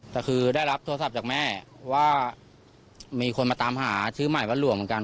แต่คือได้รับโทรศัพท์จากแม่ว่ามีคนมาตามหาชื่อใหม่ว่าหลวงเหมือนกัน